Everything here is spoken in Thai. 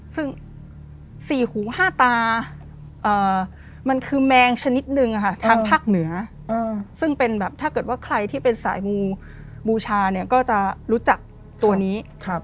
ซึ่งสี่หูห้าตามันคือแมงชนิดนึงทางภาคเหนือซึ่งเป็นแบบถ้าเกิดว่าใครที่เป็นสายมูบูชาเนี่ยก็จะรู้จักตัวนี้